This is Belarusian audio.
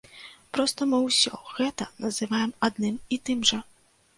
Проста мы ўсё гэта называем адным і тым жа.